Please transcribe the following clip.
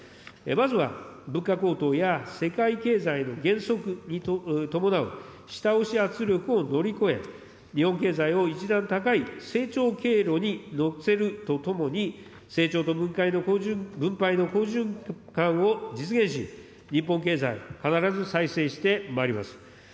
まずは物価高騰や世界経済の減速に伴う下押し圧力を乗り越え、日本経済を一段高い成長経路に乗せるとともに、成長と分配の好循環を実現し、日本経済、必ず再生してまいります。